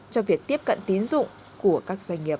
cho việc tiếp cận tín dụng của các doanh nghiệp